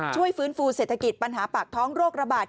ช่วยฟื้นฟูเศรษฐกิจปัญหาปากท้องโรคระบาด